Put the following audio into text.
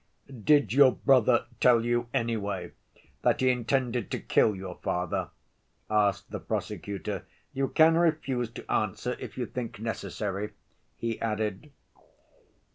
"Did your brother tell you, anyway, that he intended to kill your father?" asked the prosecutor. "You can refuse to answer if you think necessary," he added.